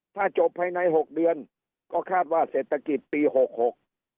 ถ้าจบภายในหกเดือนก็คาดว่าเศรษฐกิจปีหกหก